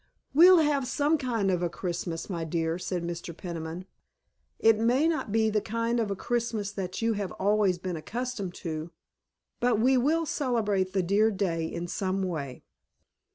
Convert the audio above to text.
"We'll have some kind of a Christmas, my dear," said Mr. Peniman. "It may not be the kind of a Christmas that you have always been accustomed to, but we will celebrate the dear day in some way."